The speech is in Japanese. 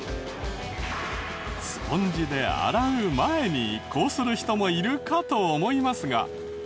スポンジで洗う前にこうする人もいるかと思いますが。